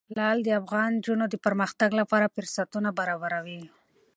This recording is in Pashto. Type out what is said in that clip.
لعل د افغان نجونو د پرمختګ لپاره فرصتونه برابروي.